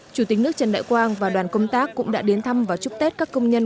chủ tịch nước trần đại quang và đoàn công tác cũng đã đến thăm và chúc tết các công nhân